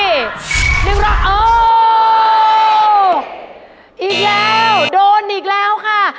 อีกแล้วโดนอีกแล้วค่ะ